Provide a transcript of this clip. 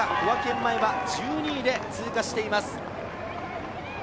前は１２位で通過しています。